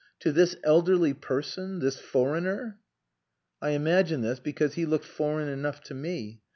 To this elderly person this foreigner!" I imagined this because he looked foreign enough to me.